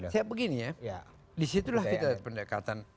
saya begini ya disitulah kita ada pendekatan